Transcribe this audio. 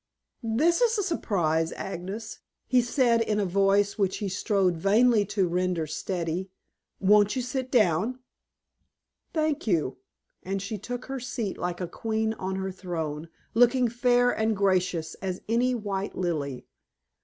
"This is a surprise, Agnes," he said in a voice which he strove vainly to render steady. "Won't you sit down?" "Thank you," and she took her seat like a queen on her throne, looking fair and gracious as any white lily.